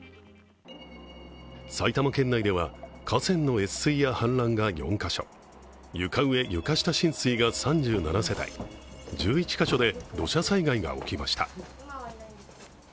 埼玉県内では河川の越水や氾濫が４カ所、床上・床下浸水が３７世帯、１１カ所で土砂災害が起きました。